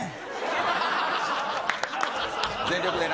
全力でな。